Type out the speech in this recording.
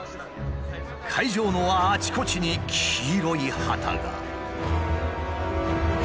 会場のあちこちに黄色い旗が。